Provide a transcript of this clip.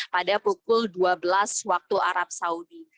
pada pukul dua belas waktu arab saudi